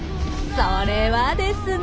それはですね。